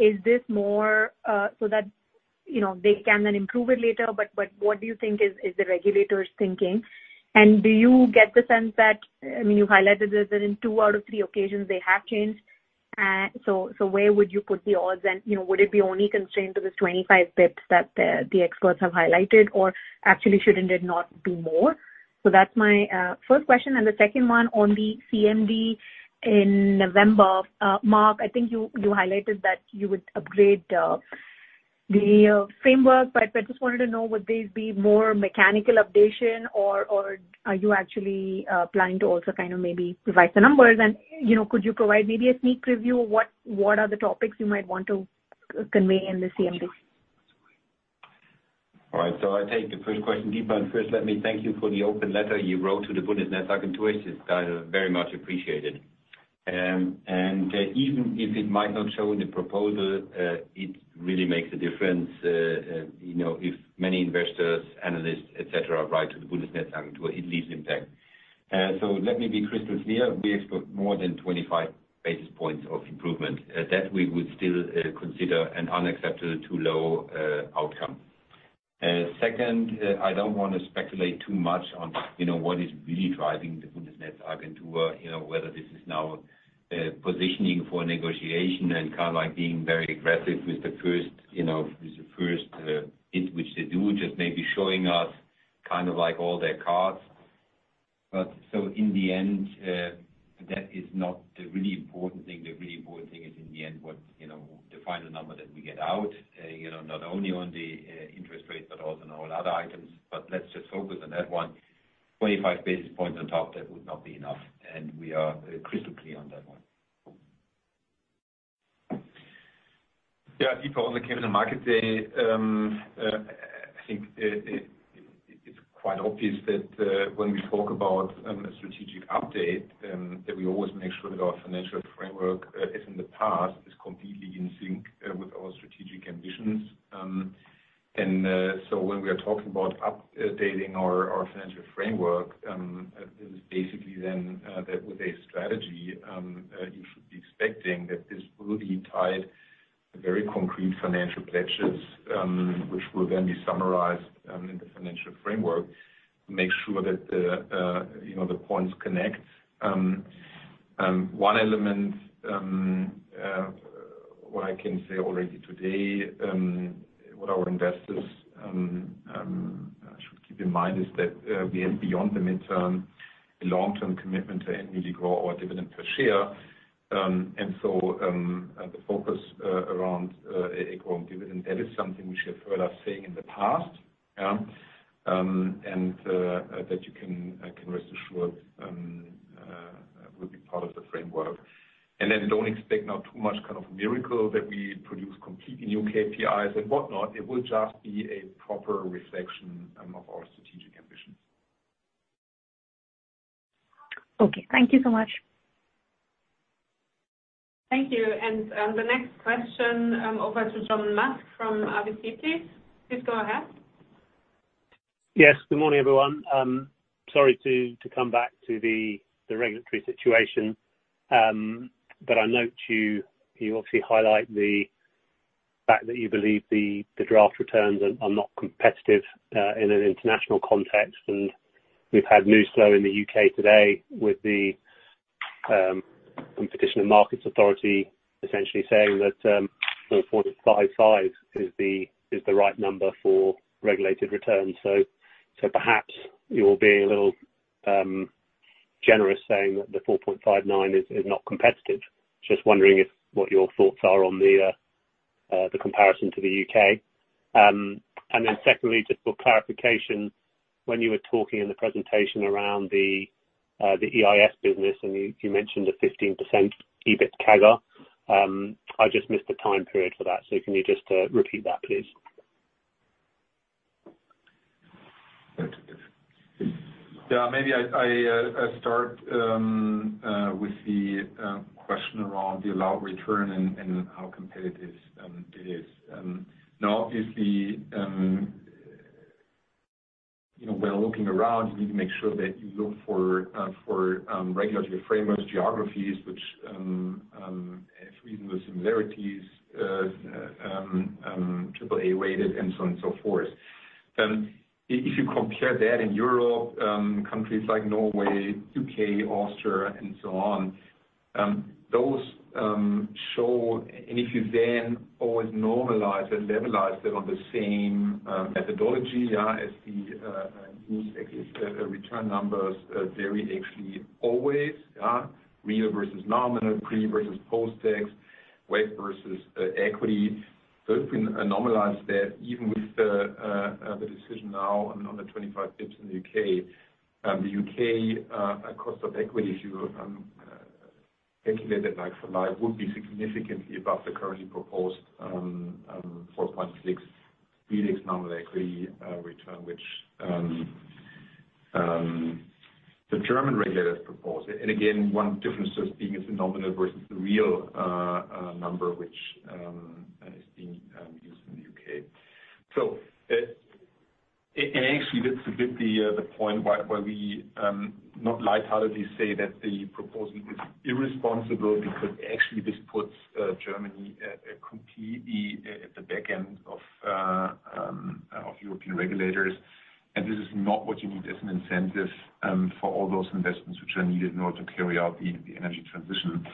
J: Is this more so that they can then improve it later, but what do you think is the regulator's thinking? Do you get the sense that you highlighted that in two out of three occasions they have changed? Where would you put the odds, and would it be only constrained to this 25 basis points that the experts have highlighted, or actually shouldn't it not do more? That's my first question. The second one on the CMD in November. Marc, I think you highlighted that you would upgrade the framework, I just wanted to know, would this be more mechanical updation or are you actually planning to also kind of maybe provide the numbers and could you provide maybe a sneak preview of what are the topics you might want to convey in the CMD?
C: All right. I take the first question, Deepa. First let me thank you for the open letter you wrote to the Bundesnetzagentur. It's kind of very much appreciated. Even if it might not show in the proposal, it really makes a difference, if many investors, analysts, et cetera, write to the Bundesnetzagentur, it leaves impact. Let me be crystal clear. We expect more than 25 basis points of improvement. That we would still consider an unacceptable too low outcome. Second, I don't want to speculate too much on what is really driving the Bundesnetzagentur. Whether this is now positioning for negotiation and kind of like being very aggressive with the first bit, which they do, just maybe showing us kind of like all their cards. In the end, that is not the really important thing. The really important thing is in the end, the final number that we get out, not only on the interest rate but also on all other items. Let's just focus on that one. 25 basis points on top, that would not be enough, and we are crystal clear on that one.
D: Yeah, people on the Capital Markets Day, I think it is quite obvious that when we talk about a strategic update, that we always make sure that our financial framework, as in the past, is completely in sync with our strategic ambitions. So when we are talking about updating our financial framework, this is basically then that with a strategy, you should be expecting that this will be tied to very concrete financial pledges, which will then be summarized in the financial framework to make sure that the points connect. One element, what I can say already today, what our investors should keep in mind is that we are beyond the midterm, a long-term commitment to annually grow our dividend per share. So, the focus around a growing dividend, that is something we should further seeing in the past. That you can rest assured will be part of the framework. Then don't expect now too much of a miracle that we produce completely new KPIs and whatnot. It will just be a proper reflection of our strategic ambitions.
J: Okay. Thank you so much.
B: Thank you. The next question over to John Musk from RBC, please. Please go ahead.
K: Yes, good morning, everyone. Sorry to come back to the regulatory situation. I note you obviously highlight the fact that you believe the draft returns are not competitive in an international context, and we've had news flow in the U.K. today with the Competition and Markets Authority essentially saying that 4.55 is the right number for regulated returns. Perhaps you're being a little generous saying that the 4.59 is not competitive. Just wondering what your thoughts are on the comparison to the U.K. Secondly, just for clarification, when you were talking in the presentation around the EIS business and you mentioned a 15% EBIT CAGR. I just missed the time period for that. Can you just repeat that, please?
D: Yeah. Maybe I start with the question around the allowed return and how competitive it is. Obviously, when looking around, you need to make sure that you look for regulatory frameworks, geographies which have reasonable similarities, AAA-rated and so on and so forth. If you compare that in Europe, countries like Norway, U.K., Austria and so on, those show, and if you then always normalize and levelize them on the same methodology as the return numbers vary actually always, real versus nominal, pre- versus post-tax, weight versus equity. If we normalize that, even with the decision now on the 25 basis points in the U.K., the U.K. cost of equity, if you calculate it like for like, would be significantly above the currently proposed 4.6 real nominal equity return, which the German regulators propose. Again, one difference just being it's a nominal versus the real number, which is being used in the U.K. Actually that's a bit the point where we not lightheartedly say that the proposal is irresponsible because actually this puts Germany completely at the back end of European regulators, and this is not what you need as an incentive for all those investments which are needed in order to carry out the energy transition.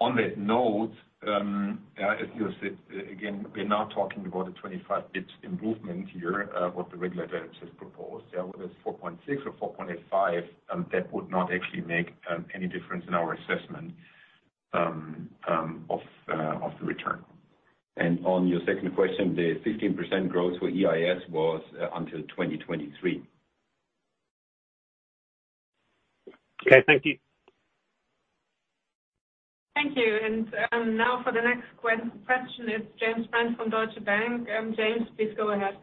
D: On that note, as you said, again, we're now talking about a 25 basis points improvement here, what the regulators have proposed. Whether it's 4.6 or 4.85, that would not actually make any difference in our assessment of the return.
C: On your second question, the 15% growth for EIS was until 2023.
K: Okay. Thank you.
B: Thank you. Now for the next question, it's James Brand from Deutsche Bank. James, please go ahead.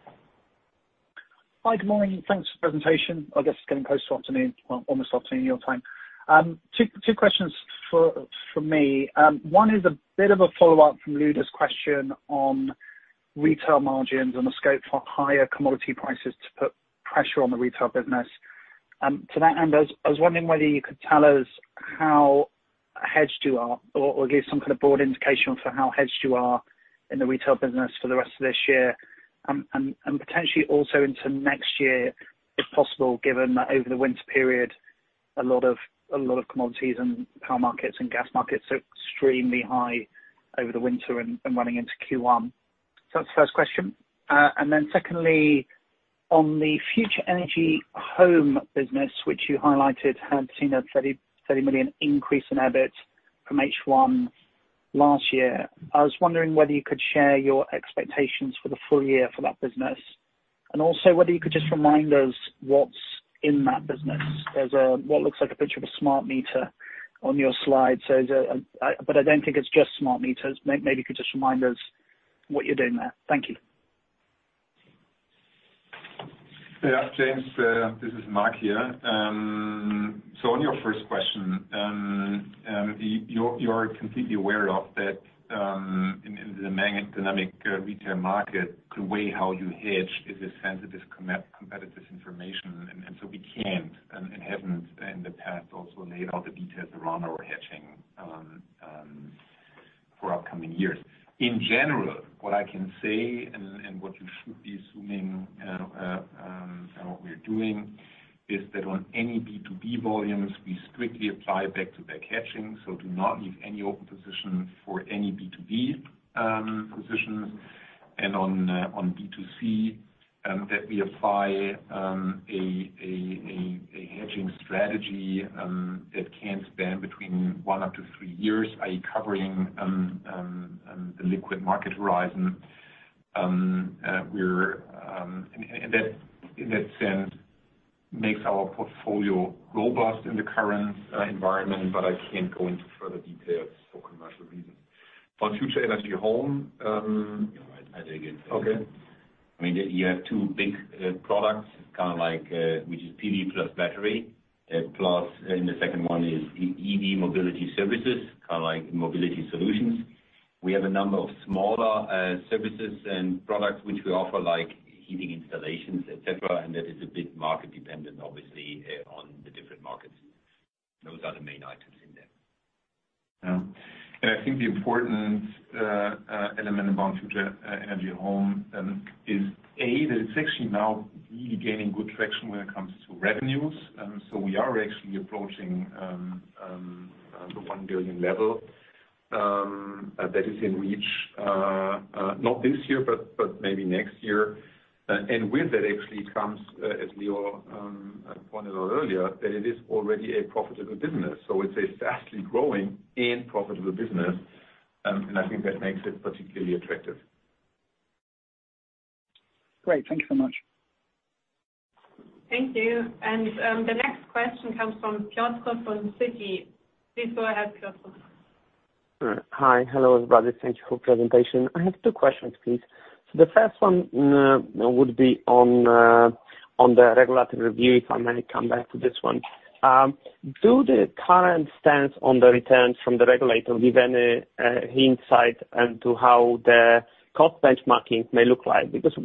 L: Hi, good morning. Thanks for the presentation. I guess it's getting close to afternoon. Well, almost afternoon your time. Two questions from me. One is a bit of a follow-up from Lueder's question on retail margins and the scope for higher commodity prices to put pressure on the retail business. To that end, I was wondering whether you could tell us how hedged you are or give some kind of broad indication for how hedged you are in the retail business for the rest of this year and potentially also into next year, if possible, given that over the winter period, a lot of commodities and power markets and gas markets are extremely high over the winter and running into Q1. That's the first question. Secondly, on the Future Energy Home business, which you highlighted had seen a 30 million increase in EBIT from H1 last year. I was wondering whether you could share your expectations for the full year for that business, and also whether you could just remind us what's in that business. There's what looks like a picture of a smart meter on your slide. I don't think it's just smart meters. Maybe you could just remind us what you're doing there. Thank you.
D: Yeah, James, this is Marc here. On your first question, you're completely aware that in the dynamic retail market, the way how you hedge is a sensitive, competitive information. We can't, and haven't in the past also laid out the details around our hedging for upcoming years. In general, what I can say and what you should be assuming, and what we're doing is that on any B2B volumes, we strictly apply back-to-back hedging, so do not leave any open position for any B2B positions, and on B2C, that we apply a hedging strategy that can span between one up to three years, i.e., covering the liquid market horizon. That in that sense makes our portfolio robust in the current environment, but I can't go into further details for commercial reasons. On Future Energy Home-
C: Yeah, I'll take it.
D: Okay.
C: You have two big products, which is PV plus battery, plus the second one is EV mobility services, kind of like mobility solutions. We have a number of smaller services and products which we offer, like heating installations, et cetera. That is a bit market-dependent, obviously, on the different markets. Those are the main items in there.
D: Yeah. I think the important element about Future Energy Home is A, that it's actually now really gaining good traction when it comes to revenues. We are actually approaching the 1 billion level. That is in reach not this year, but maybe next year. With that actually comes, as Leo pointed out earlier, that it is already a profitable business. It's a fastly growing and profitable business, and I think that makes it particularly attractive.
L: Great. Thank you so much.
B: Thank you. The next question comes from Piotr Dzieciolowski from Citi. Please go ahead, Piotr Dzieciolowski.
M: Hi. Hello, everybody. Thank you for your presentation. I have two questions, please. The first one would be on the regulatory review, if I may come back to this one. Do the current stance on the returns from the regulator give any insight into how the cost benchmarking may look like? It's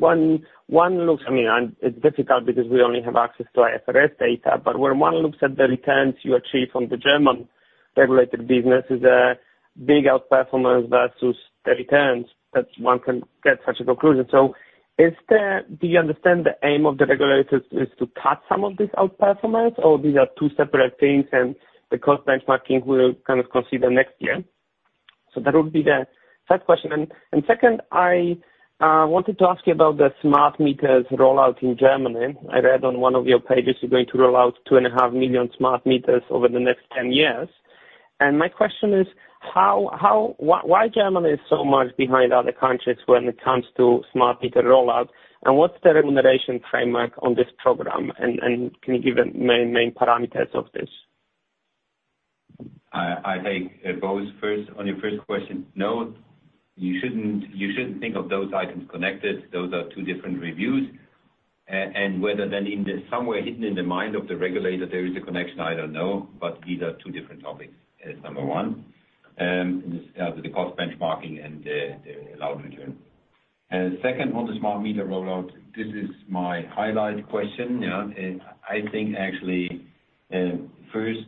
M: difficult because we only have access to IFRS data, but when one looks at the returns you achieve from the German regulated business is a big outperformance versus the returns that one can get such a conclusion. Do you understand the aim of the regulators is to cut some of this outperformance, or these are two separate things and the cost benchmarking we'll kind of consider next year? That would be the first question. Second, I wanted to ask you about the smart meters rollout in Germany. I read on one of your pages you're going to roll out 2.5 million smart meters over the next 10 years. My question is, why Germany is so much behind other countries when it comes to smart meter rollout, and what's the remuneration framework on this program, and can you give the main parameters of this?
C: I take both. On your first question, no, you shouldn't think of those items connected. Those are two different reviews. Whether then in somewhere hidden in the mind of the regulator there is a connection, I don't know, but these are two different topics, is number one, the cost benchmarking and the allowed return. Second, on the smart meter rollout, this is my highlight question. Yeah. I think actually, first,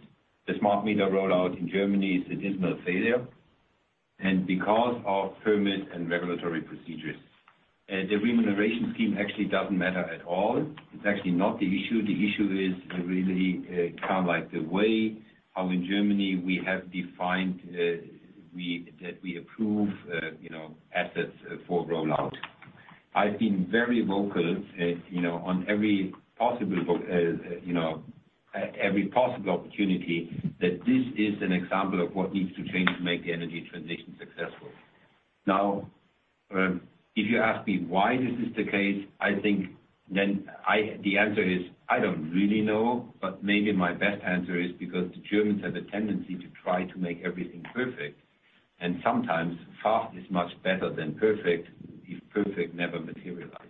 C: the smart meter rollout in Germany is a dismal failure, because of permit and regulatory procedures. The remuneration scheme actually doesn't matter at all. It's actually not the issue. The issue is really the way how in Germany we have defined that we approve assets for rollout. I've been very vocal on every possible opportunity that this is an example of what needs to change to make the energy transition successful. If you ask me why this is the case, I think the answer is, I don't really know, maybe my best answer is because the Germans have a tendency to try to make everything perfect, sometimes fast is much better than perfect if perfect never materializes.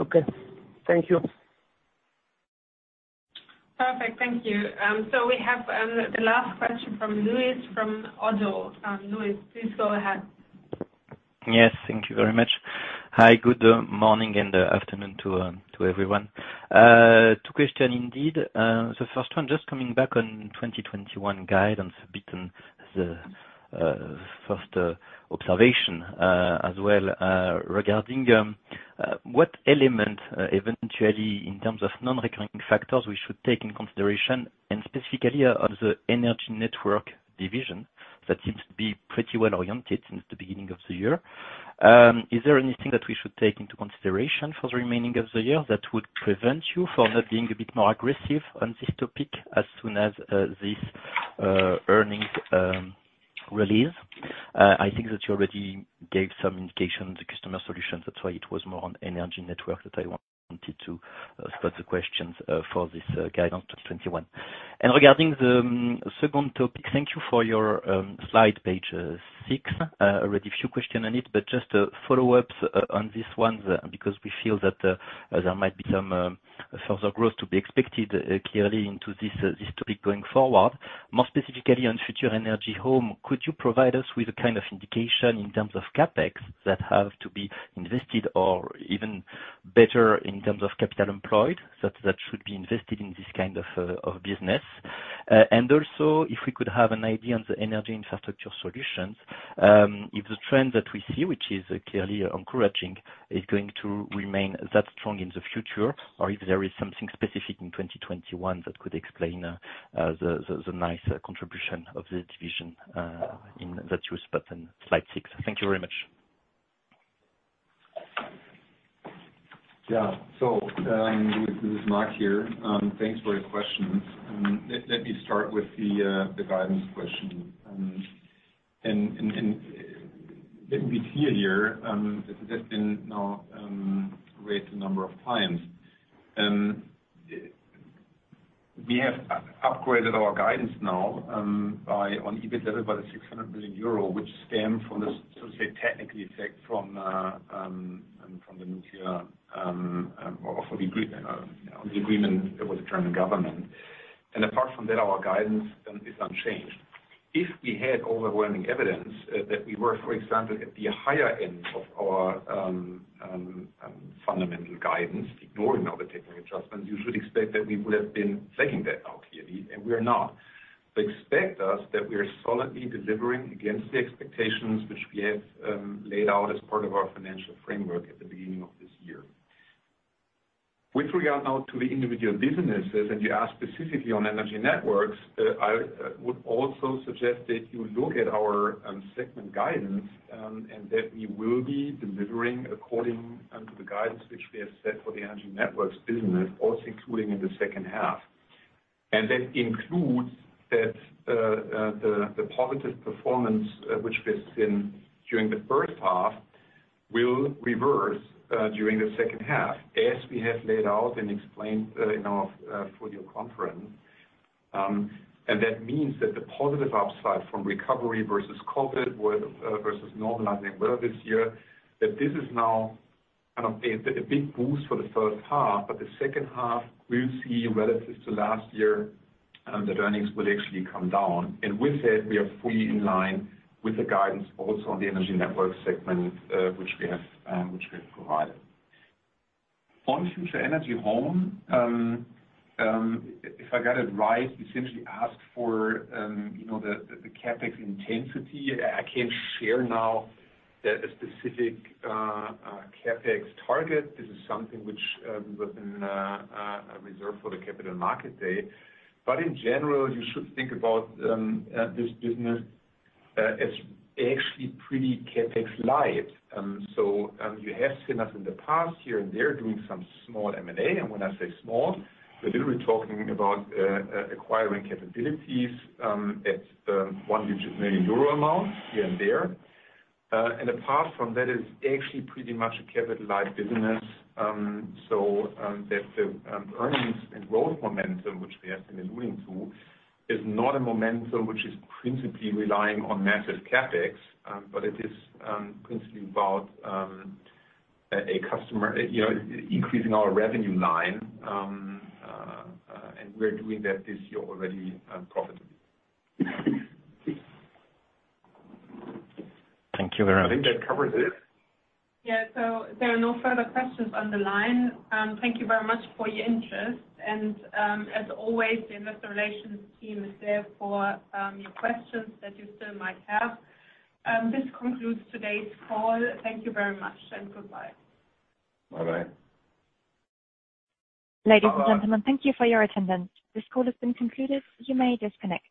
M: Okay. Thank you.
B: Perfect. Thank you. We have the last question from Louis from Oddo. Louis, please go ahead.
N: Yes. Thank you very much. Hi, good morning and afternoon to everyone. Two question indeed. The first one, just coming back on 2021 guide and Fabien, the first observation as well, regarding what element eventually in terms of non-recurring factors we should take into consideration, and specifically of the energy network division, that seems to be pretty well-oriented since the beginning of the year. Is there anything that we should take into consideration for the remaining of the year that would prevent you from not being a bit more aggressive on this topic as soon as this earnings release? I think that you already gave some indication to customer solutions. That's why it was more on energy network that I wanted to ask the questions for this guidance 2021. Regarding the second topic, thank you for your slide, page six. Already a few questions on it, just a follow-up on this one, because we feel that there might be some further growth to be expected clearly into this topic going forward. More specifically on Future Energy Home, could you provide us with a kind of indication in terms of CapEx that have to be invested or even better in terms of capital employed, that should be invested in this kind of business? Also, if we could have an idea on the Energy Infrastructure Solutions, if the trend that we see, which is clearly encouraging, is going to remain that strong in the future, or if there is something specific in 2021 that could explain the nice contribution of the division in that use. Slide six. Thank you very much.
D: This is Marc here. Thanks for your questions. Let me start with the guidance question. Let me be clear here, this has been now raised a number of times. We have upgraded our guidance now on EBIT level by 600 million euro, which stem from the, so say, technical effect from the nuclear or from the agreement with the German Government. Apart from that, our guidance is unchanged. If we had overwhelming evidence that we were, for example, at the higher end of our fundamental guidance, ignoring all the technical adjustments, you should expect that we would have been saying that now clearly, we are not. Expect us that we are solidly delivering against the expectations which we have laid out as part of our financial framework at the beginning of this year. With regard now to the individual businesses, and you asked specifically on energy networks, I would also suggest that you look at our segment guidance, and that we will be delivering according to the guidance which we have set for the energy networks business, also including in the second half. That includes that the positive performance which we've seen during the first half will reverse during the second half, as we have laid out and explained in our full year conference. That means that the positive upside from recovery versus COVID versus normalizing weather this year, that this is now a big boost for the first half, but the second half we'll see relative to last year, the earnings will actually come down. With that, we are fully in line with the guidance also on the energy network segment, which we have provided. On Future Energy Home, if I got it right, you simply asked for the CapEx intensity. I can't share now a specific CapEx target. This is something which will be reserved for the Capital Markets Day. In general, you should think about this business as actually pretty CapEx light. You have seen us in the past here and there doing some small M&A. When I say small, we're literally talking about acquiring capabilities at 1 million euro amount here and there. Apart from that, it's actually pretty much a capital light business. That the earnings and growth momentum, which we have been alluding to, is not a momentum which is principally relying on massive CapEx. It is principally about increasing our revenue line. We're doing that this year already profitably.
N: Thank you very much.
C: I think that covers it.
B: Yeah. There are no further questions on the line. Thank you very much for your interest. As always, the investor relations team is there for your questions that you still might have. This concludes today's call. Thank you very much, and goodbye.
C: Bye-bye.
A: Ladies and gentlemen, thank you for your attendance. This call has been concluded. You may disconnect.